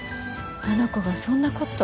あの子がそんなこと。